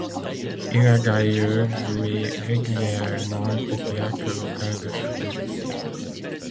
Il a d’ailleurs joué régulièrement au théâtre local de Shrewsbury.